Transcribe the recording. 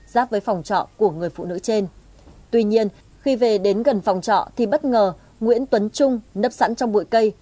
giáp với phòng trọ của người phụ nữ trên tuy nhiên khi về đến gần phòng trọ thì bất ngờ nguyễn tuấn trung nấp sẵn trong bụi cây